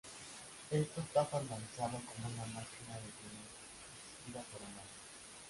Esto está formalizado como una Máquina de Turing asistida por humanos.